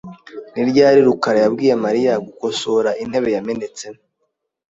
Ni ryari rukara yabwiye Mariya gukosora intebe yamenetse?